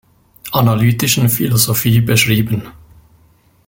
Analytischen Philosophie beschrieben.